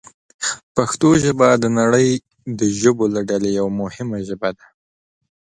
پښتو ژبه د نړۍ د ژبو له ډلې یوه مهمه ژبه ده.